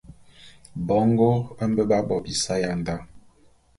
Bongo mbe b'á bo bisae ya ndá.